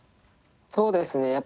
そうですね